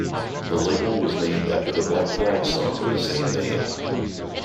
The label was named after the Black Flag song of the same name.